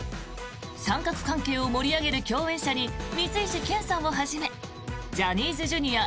三角関係を盛り上げる共演者に光石研さんをはじめジャニーズＪｒ．Ａぇ！